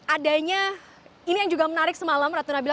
adanya ini yang juga menarik semalam ratu nabila